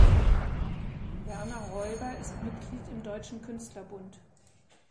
Werner Reuber ist Mitglied im Deutschen Künstlerbund.